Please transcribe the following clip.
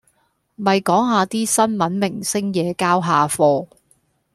咪講下啲新聞明星野交下貨